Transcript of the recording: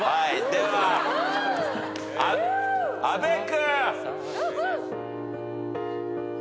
では阿部君。